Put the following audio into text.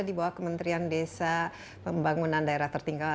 di bawah kementerian desa pembangunan daerah tertinggal